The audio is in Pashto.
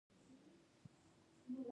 ایران غواړي چې یو مرکز شي.